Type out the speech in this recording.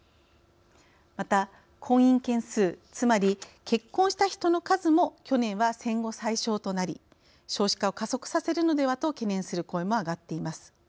また、婚姻件数つまり、結婚した人の数も去年は戦後最少となり少子化を加速させるのではと懸念する声も上がっています。